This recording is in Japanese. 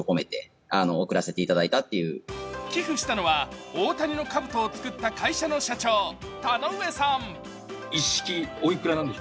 寄付したのは、大谷のかぶとを作った会社の社長、田ノ上さん。